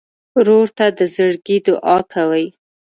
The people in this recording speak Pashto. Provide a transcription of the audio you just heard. ورور ته د زړګي دعاء کوې.